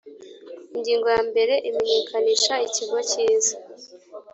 Ingingo ya mbere Imenyekanisha ikigo cyiza.